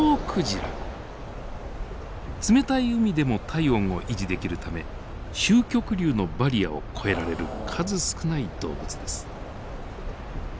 冷たい海でも体温を維持できるため周極流のバリアを越えられる数少ない動物です。